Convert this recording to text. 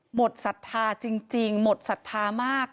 ศรัทธาจริงหมดศรัทธามาก